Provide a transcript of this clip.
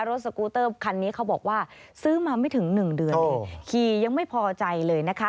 สกูเตอร์คันนี้เขาบอกว่าซื้อมาไม่ถึงหนึ่งเดือนเองขี่ยังไม่พอใจเลยนะคะ